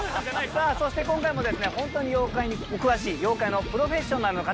そして今回も本当に妖怪にお詳しい妖怪のプロフェッショナルの方